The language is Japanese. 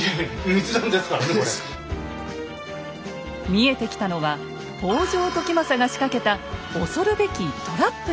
見えてきたのは北条時政が仕掛けた恐るべきトラップでした。